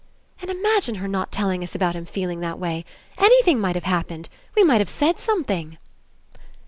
"And imagine her not telling us about him feeling that way ! Anything might have happened. We might have said something."